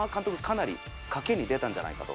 かなり賭けに出たんじゃないかと。